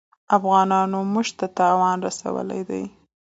افغانانو موږ ته تاوان رسولی وي.